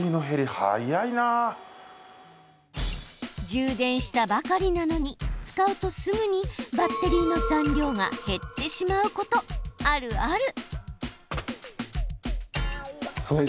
充電したばかりなのに使うとすぐにバッテリーの残量が減ってしまうこと、あるある。